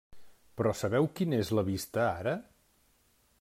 Però sabeu quina és la vista ara?